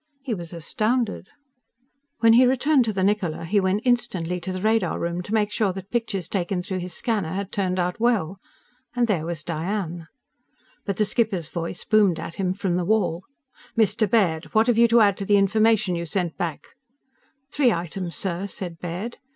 He was astounded. When he returned to the Niccola, he went instantly to the radar room to make sure that pictures taken through his scanner had turned out well. And there was Diane. But the skipper's voice boomed at him from the wall. "Mr. Baird! What have you to add to the information you sent back?" "Three items, sir," said Baird.